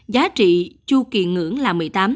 giá trị chu kỳ ngưỡng là một mươi tám